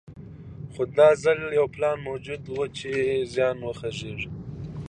خو دا ځل یو پلان موجود و چې زیان وڅېړي.